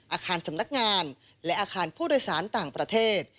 อาคารสำนักงานและอาคารผู้โดยสารต่างประเทศ